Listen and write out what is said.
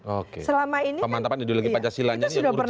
oke pemantapan ideologi pancasilanya itu yang urgent